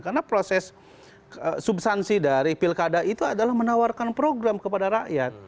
karena proses substansi dari pilkada itu adalah menawarkan program kepada rakyat